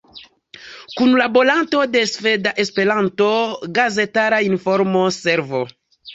Kunlaboranto de Sveda-Esperanto Gazetara Informo-Servo.